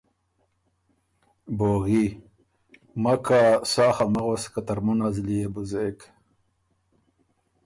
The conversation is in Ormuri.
بوغی: مکا سا خه مک غؤس که ترمُن ا زلی يې بُو زېک۔